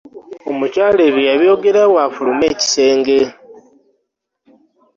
Omukyala ebyo yabyogera bw'afuluma ekisenge.